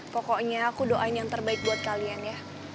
pokoknya aku doain yang terbaik buat kalian ya